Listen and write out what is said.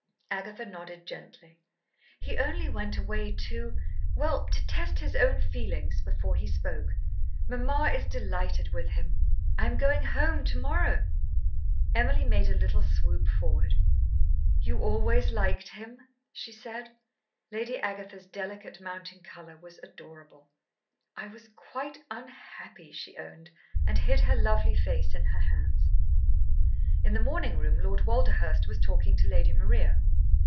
Agatha nodded gently. "He only went away to well, to test his own feelings before he spoke. Mamma is delighted with him. I am going home to morrow." Emily made a little swoop forward. "You always liked him?" she said. Lady Agatha's delicate mounting colour was adorable. "I was quite unhappy," she owned, and hid her lovely face in her hands. In the morning room Lord Walderhurst was talking to Lady Maria.